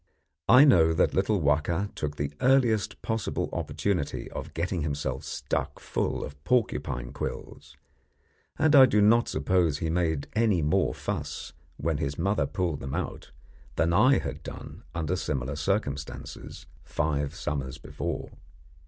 I know that little Wahka took the earliest possible opportunity of getting himself stuck full of porcupine quills, and I do not suppose he made any more fuss when his mother pulled them out than I had done under similar circumstances five summers before.